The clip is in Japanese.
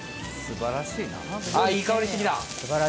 あっいい香りしてきた！